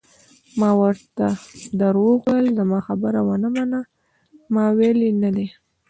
ما ورته درواغ وویل: زما خبره ومنه، ما ویلي نه دي.